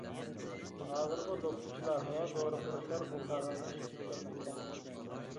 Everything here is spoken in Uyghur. ھازىرمۇ دوپپىچىلار ۋە دورىپۇرۇشلار بۇ قەغەزنى ئىشلىتىپ كەلمەكتە.